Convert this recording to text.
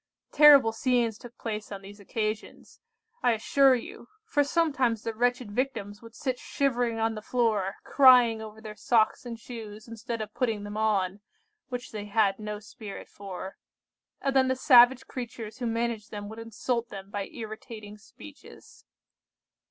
Terrible scenes took place on these occasions, I assure you, for sometimes the wretched Victims would sit shivering on the floor, crying over their socks and shoes instead of putting them on, (which they had no spirit for,) and then the savage creatures who managed them would insult them by irritating speeches.